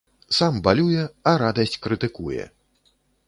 Сам балюе, а радасць крытыкуе.